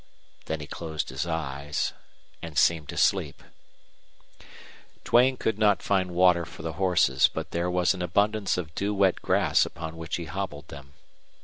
Then he closed his eyes and seemed to sleep. Duane could not find water for the horses, but there was an abundance of dew wet grass upon which he hobbled them.